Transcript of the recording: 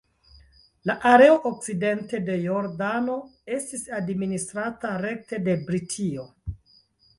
La areo okcidente de Jordano estis administrata rekte de Britio.